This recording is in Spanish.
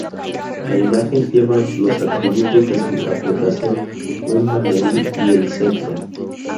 La imagen lleva los atributos de su advocación: un banderín y el cetro.